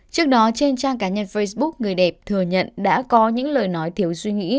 trước đó trên trang cá nhân facebook người đẹp thừa nhận đã có những lời nói thiếu suy nghĩ